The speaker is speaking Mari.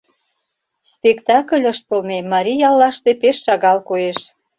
Спектакль ыштылме марий яллаште пеш шагал коеш.